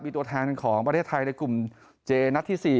มีตัวแทนของประเทศไทยในกลุ่มเจนัดที่๔